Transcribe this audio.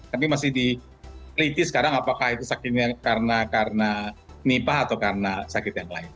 tapi masih diteliti sekarang apakah itu sakitnya karena nipah atau karena sakit yang lain